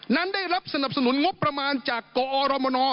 นั้นได้รับสนับสนุนงบประมาณจากกอรมน